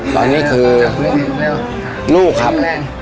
ตอนนี้คือลูกครับแม่